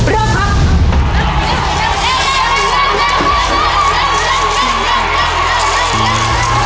เริ่มครับ